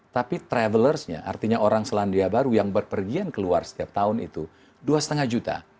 tapi travelersnya artinya orang selandia baru yang berpergian keluar setiap tahun itu dua lima juta